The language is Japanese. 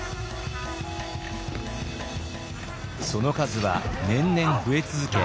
その数は年々増え続け